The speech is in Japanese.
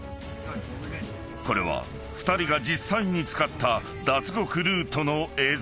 ［これは２人が実際に使った脱獄ルートの映像だ］